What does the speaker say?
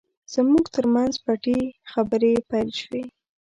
زموږ ترمنځ پټې خبرې پیل شوې.